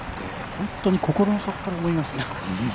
本当に心の底から思います。